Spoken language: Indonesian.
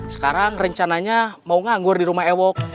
sekarang rencananya mau nganggur di rumah ewo